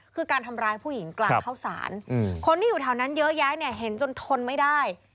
คือการทำร้ายผู้หญิงกลางเข้าสารคนที่อยู่แถวนั้นเยอะแยะเนี่ยเห็นจนทนไม่ได้